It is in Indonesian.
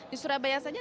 di surabaya saja